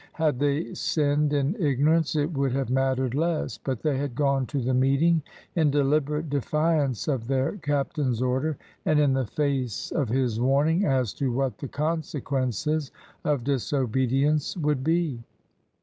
Had they sinned in ignorance it would have mattered less. But they had gone to the meeting in deliberate defiance of their captain's order, and in the face of his warning as to what the consequences of disobedience would be.